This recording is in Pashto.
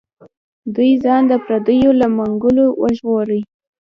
دوی ځان د پردیو له منګولو وژغوري.